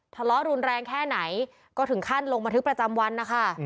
ทะเลาะรุนแรงแค่ไหนก็ถึงขั้นลงบันทึกประจำวันนะคะ